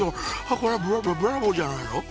これはブラボーじゃないの？